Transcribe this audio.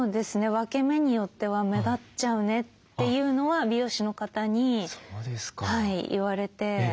分け目によっては目立っちゃうねっていうのは美容師の方に言われて。